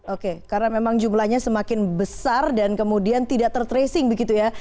oke karena memang jumlahnya semakin besar dan kemudian tidak ter tracing begitu ya